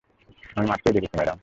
আমি মাত্রই দেখেছি, ম্যাডাম।